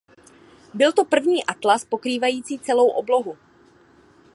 Byl to první atlas pokrývající celou oblohu.